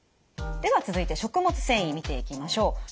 では続いて食物繊維見ていきましょう。